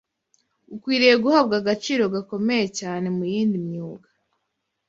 Ukwiriye guhabwa agaciro gakomeye cyane mu yindi myuga